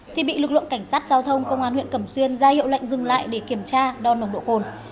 thì bị lực lượng cảnh sát giao thông công an huyện cẩm xuyên ra hiệu lệnh dừng lại để kiểm tra đo nồng độ cồn